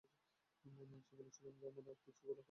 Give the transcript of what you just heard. মনে আছে বলেছিলাম যে আমরা আর কিছু লুকাবো না?